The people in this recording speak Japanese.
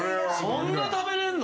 そんな食べれんの？